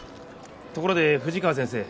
ところで富士川先生。